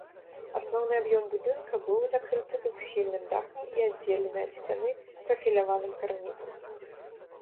Асноўны аб'ём будынка быў накрыты двухсхільным дахам і аддзелены ад сцяны прафіляваным карнізам.